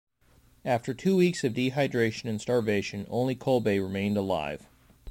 After two weeks of dehydration and starvation, only Kolbe remained alive.